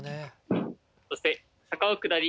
そして坂を下り